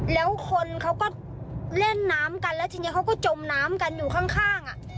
แล้วคนเขาก็เล่นน้ำกันแล้วทีนี้เขาก็จมน้ำกันอยู่ข้าง